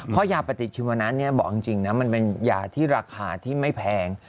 เพราะยาปฏิชีวนะบอกจริงนะมันเป็นยาที่ราคาที่ไม่แพง